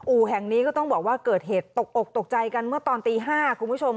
แห่งนี้ก็ต้องบอกว่าเกิดเหตุตกอกตกใจกันเมื่อตอนตี๕คุณผู้ชม